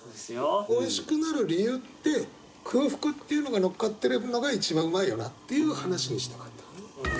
おいしくなる理由って空腹っていうのが乗っかってるのが一番うまいよなっていう話にしたかったのね。